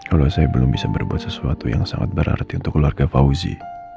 kalau saya belum bisa berbuat sesuatu yang sangat berarti untuk keluarga fauzi